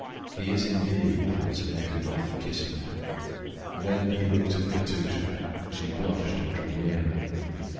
"He is, indeed," answered Nekhludoff, kissing her. Then he looked at Katusha; she blushed, and drew nearer.